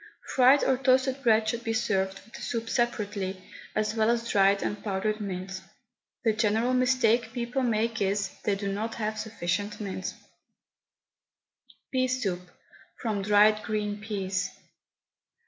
Fried or toasted bread should be served with the soup separately, as well as dried and powdered mint. The general mistake people make is, they do not have sufficient mint. PEA SOUP, FROM DRIED GREEN PEAS.